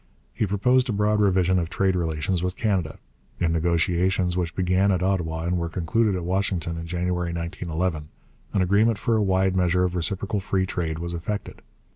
He proposed a broad revision of trade relations with Canada. In negotiations which began at Ottawa and were concluded at Washington in January 1911, an agreement for a wide measure of reciprocal free trade was effected.